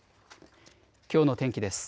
きょうの天気です。